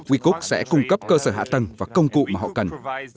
wecook sẽ cung cấp cơ sở hạ tầng và công cụ mà họ cần